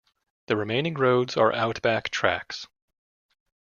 The remaining roads are outback tracks.